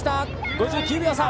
５９秒差。